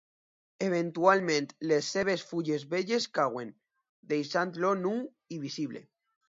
Eventualment les seves fulles velles cauen, deixant-lo nu i visible.